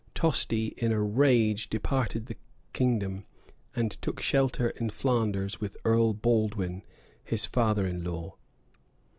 Tosti in a rage departed the kingdom, and took shelter in Flanders with Earl Baldwin, his father in law.